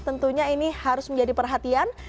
tentunya ini harus menjadi perhatian